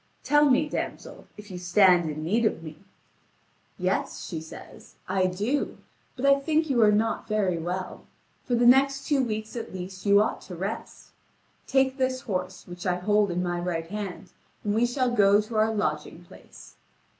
"Tell me, damsel, if you stand in need of me." "Yes," she says, "I do; but I think you are not very well. For the next two weeks at least you ought to rest. Take this horse, which I hold in my right hand, and we shall go to our lodging place."